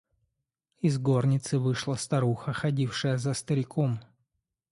Из горницы вышла старуха, ходившая за стариком.